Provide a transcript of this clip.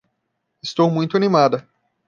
Estou muito animada